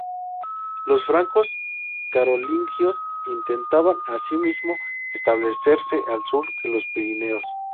Los francos carolingios intentaban asimismo establecerse al sur de los Pirineos.